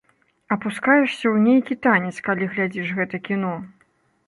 Апускаешся ў нейкі танец, калі глядзіш гэта кіно.